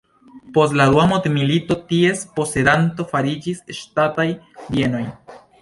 Post la dua mondmilito ties posedanto fariĝis Ŝtataj bienoj.